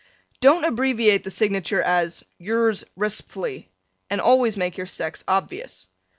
Don't abbreviate the signature as: Y'rs Resp'fly and always make your sex obvious.